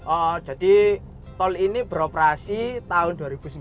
oh jadi tol ini beroperasi tahun dua ribu sembilan belas